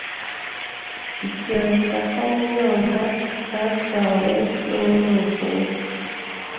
Ikiraro cya Kanyonyomba cyatwawe n’umwuzure